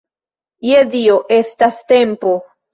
Je Dio, estas tempo!